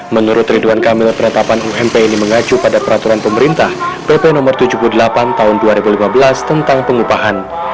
menurut ridwan kamil penetapan ump ini mengacu pada peraturan pemerintah pp no tujuh puluh delapan tahun dua ribu lima belas tentang pengupahan